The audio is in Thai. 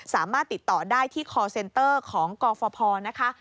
สามารถติดต่อได้ที่คอร์เซนเตอร์ของกฟพนะคะ